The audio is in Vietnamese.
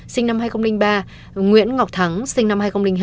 sinh năm hai nghìn ba nguyễn ngọc thắng sinh năm hai nghìn hai